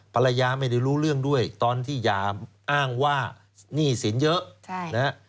ภรรยาไม่ได้รู้เรื่องด้วยตอนที่อย่าอ้างว่าหนี้สินเยอะนะฮะ